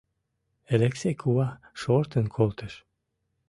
Элексей кува шортын колтыш.